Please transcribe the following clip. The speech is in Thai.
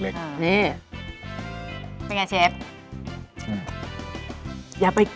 เป็นไงเชฟ